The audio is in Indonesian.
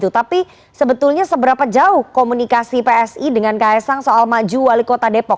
tapi sebetulnya seberapa jauh komunikasi psi dengan ks sang soal maju wali kota depok